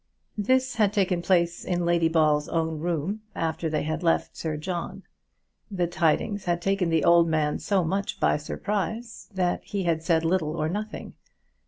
This had taken place in Lady Ball's own room, after they had left Sir John. The tidings had taken the old man so much by surprise, that he had said little or nothing.